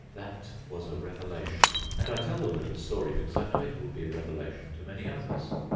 That was a revelation; and I tell the little story because I know it will be a revelation to many others.